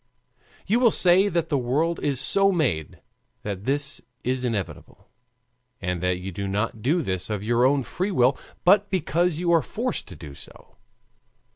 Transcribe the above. You will say that the world is so made that this is inevitable, and that you do not do this of your own free will, but because you are forced to do so.